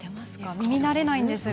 耳慣れないんですが。